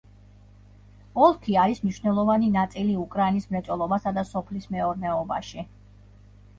ოლქი არის მნიშვნელოვანი ნაწილი უკრაინის მრეწველობასა და სოფლის მეურნეობაში.